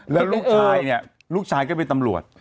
แล้วลูกชายเนี่ยลูกชายก็เป็นตำรวจ